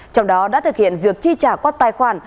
trong đó đã thực hiện việc chi trả quát tài khoản